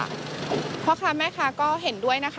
ค่ะเพราะคุณแม่ค่ะก็เห็นด้วยนะคะ